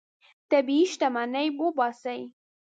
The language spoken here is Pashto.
طبیعي شتمني وباسئ.